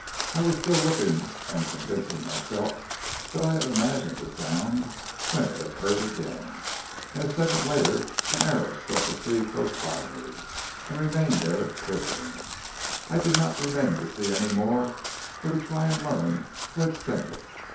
I was still looking, and convincing myself that I had imagined the sound when it occurred again, and a second later an arrow struck a tree close by me, and remained there, quivering. I did not remain to see any more, or to try and learn who had sent it.